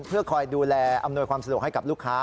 เพื่อคอยดูแลอำนวยความสะดวกให้กับลูกค้า